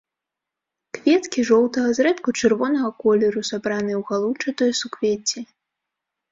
Кветкі жоўтага, зрэдку чырвонага колеру, сабраныя ў галоўчатыя суквецці.